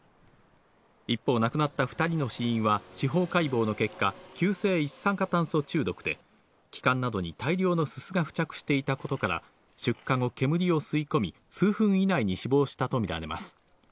一方、亡くなった２人の死因は司法解剖の結果、急性一酸化炭素中毒で、気管などに大量のすすが付着していたことから、出火後、煙を吸い込み、数分以内に死亡したと見られます。